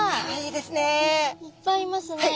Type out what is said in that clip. いっぱいいますね。